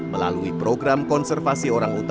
melalui program konservasi orangutan